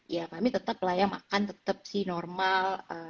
ya kami tetap layak makan tetap sih normal